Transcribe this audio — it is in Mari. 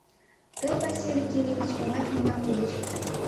Тый, Василий Кирилыч, оҥай книгам лудыч.